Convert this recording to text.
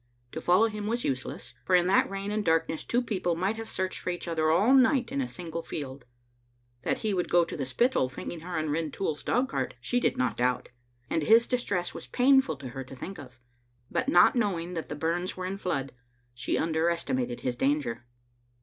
To follow him was useless, for in that rain and darkness two people might have searched for each other all night in a single field. That he would go to the Spittal, thinking her in Rintoul's dogcart, she did not doubt; and his distress was painful to her to think of. But not knowing that the bums were in flood, she underestimated his danger.